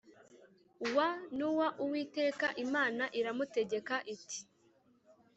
wa n uwa Uwiteka Imana iramutegeka iti